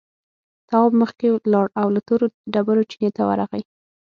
تواب مخکې لاړ او له تورو ډبرو چينې ته ورغی.